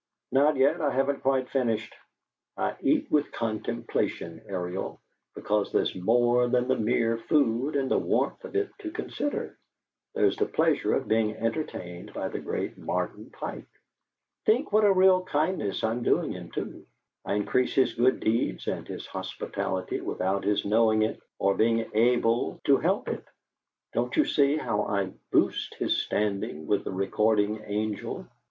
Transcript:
"Not yet. I haven't quite finished. I eat with contemplation, Ariel, because there's more than the mere food and the warmth of it to consider. There's the pleasure of being entertained by the great Martin Pike. Think what a real kindness I'm doing him, too. I increase his good deeds and his hospitality without his knowing it or being able to help it. Don't you see how I boost his standing with the Recording Angel?